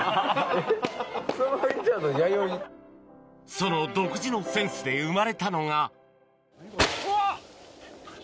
その独自のセンスで生まれたのがうわ！